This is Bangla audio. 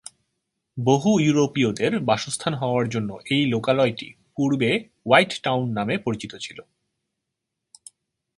বহু ইউরোপীয়দের বাসস্থান হওয়ার জন্য এই লোকালয়টি পূর্বে হোয়াইট টাউন নামে পরিচিত ছিল।